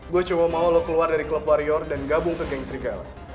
gue cuma mau lo keluar dari club warrior dan gabung ke geng serigala